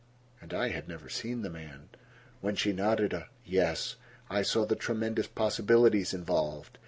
And I had never seen the man! When she nodded a "yes" I saw the tremendous possibilities involved.